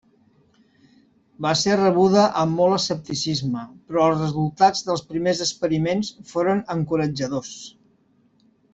Va ser rebuda amb molt escepticisme però els resultats dels primers experiments foren encoratjadors.